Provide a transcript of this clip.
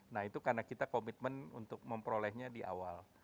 nah itu karena kita komitmen untuk memperolehnya di awal